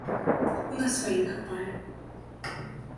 У нас сваёй хапае.